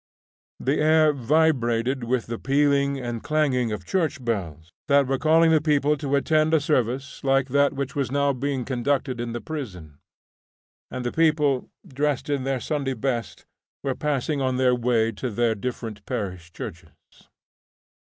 The air vibrated with the pealing and clanging of church bells, that were calling the people to attend to a service like that which was now being conducted in the prison. And the people, dressed in their Sunday best, were passing on their way to their different parish churches.